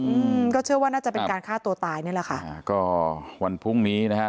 อืมก็เชื่อว่าน่าจะเป็นการฆ่าตัวตายนี่แหละค่ะอ่าก็วันพรุ่งนี้นะฮะ